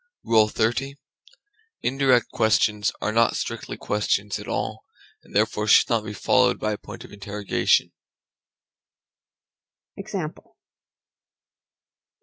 XXX. Indirect questions are not strictly questions at all, and therefore should not be followed by a point of interrogation.